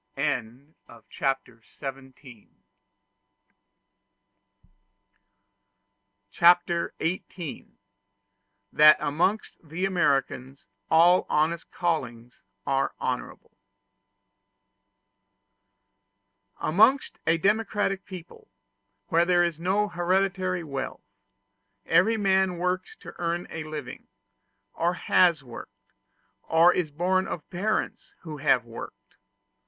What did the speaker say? Chapter XVIII: That Amongst The Americans All Honest Callings Are Honorable Amongst a democratic people, where there is no hereditary wealth, every man works to earn a living, or has worked, or is born of parents who have worked.